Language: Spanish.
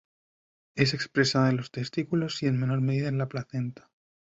Es expresada en los testículos y en menor medida en la placenta.